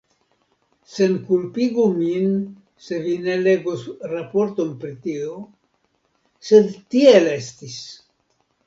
Senkulpigu min se vi ne legos raporton pri tio, sed tiel estis.